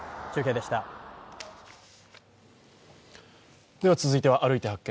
では続いては「歩いて発見！